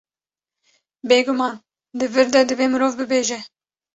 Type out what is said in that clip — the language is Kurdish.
Bêguman di vir de divê mirov bibêje.